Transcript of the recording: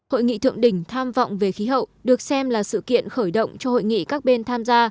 hội nghị thượng đỉnh tham vọng về khí hậu được xem là sự kiện khởi động cho hội nghị các bên tham gia